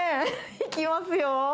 いきますよ。